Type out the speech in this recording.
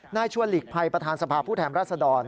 นายชวนหลีกภัยประธานสภาผู้แถมรัฐสดร